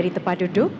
di tempat duduk